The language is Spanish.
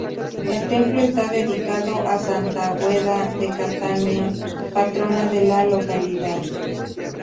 El templo está dedicado a santa Águeda de Catania, patrona de la localidad.